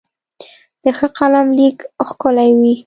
د ښه قلم لیک ښکلی وي.